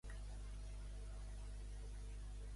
Estan a favor d'això els promovedors?